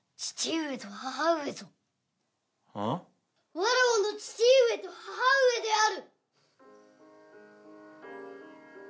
わらわの父上と母上である！